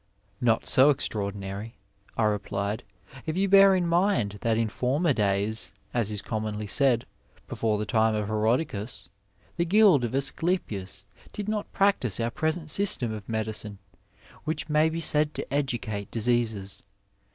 Not so eztraordinaty, I replied, if yon bear in mind that in former days, as is commonly said, before thetimeofHerodicuB, the^guildof Asclepius did not practise our present system of medicine, which may be said to educate diseases.